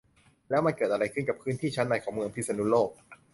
แล้วมันเกิดอะไรขึ้นกับพื้นที่ชั้นในของเมืองพิษณุโลก